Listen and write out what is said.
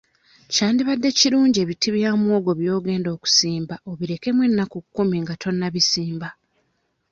Kyandibadde kirungi ebiti bya muwogo by'ogenda okusimba obirekemu ennaku kkumi nga tonnabisimba.